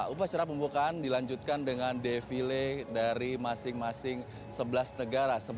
upacara pembukaan dilanjutkan dengan defile dari masing masing sebelas negara